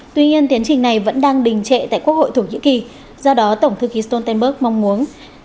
tuy nhiên tiến trình này vẫn đang đình trệ tại quốc hội thổ nhĩ kỳ do đó tổng thư ký stoltenberg mong muốn